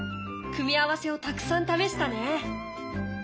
組み合わせをたくさん試したね。